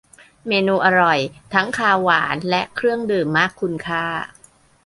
เมนูอร่อยทั้งคาว หวาน และเครื่องดื่ม มากคุณค่า